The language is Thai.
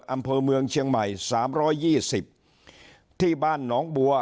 อำเภอเมืองเชียงใหม่๓๒๐ที่บ้านหนองบัว